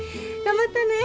頑張ったね。